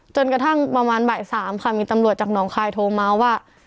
จนกระทั่งประมาณบ่าย๓ค่ะมีตำรวจจากหนองคายโทรมาว่า